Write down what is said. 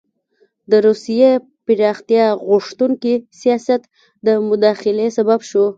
د روسیې پراختیا غوښتونکي سیاست د مداخلې سبب شو.